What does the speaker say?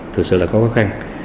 thực sự là có khó khăn